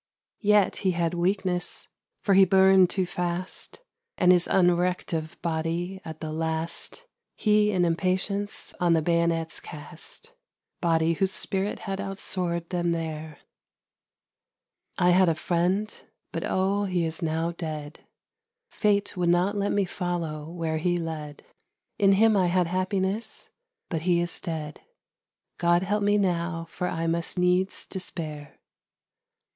Yet he had weakness, for he burned too fast; And his unrecked of body at the last He in impatience on the bayonets cast, Body whose spirit had outsoared them there. I had a friend, but, O! he is now dead. Fate would not let me follow where he led. In him I had happiness. But he is dead. _God help me now, for I must needs despair.